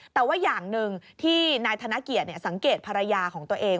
แต่ว่าอย่างหนึ่งที่นายธนเกียรติสังเกตภรรยาของตัวเอง